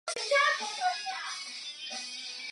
有子张缙。